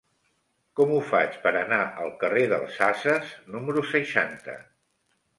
Com ho faig per anar al carrer dels Ases número seixanta?